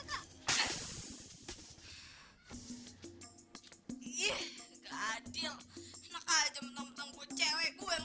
gak apa nih kita punya ps sendiri